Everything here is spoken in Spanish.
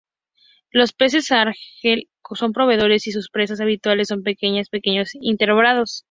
Los peces ángel son predadores, y sus presas habituales son peces pequeños y invertebrados.